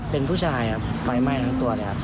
เป็นผู้ชายครับไฟไหม้ทั้งตัวเลยครับ